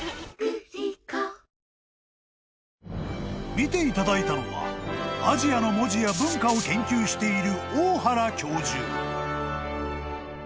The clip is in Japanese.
［見ていただいたのはアジアの文字や文化を研究している］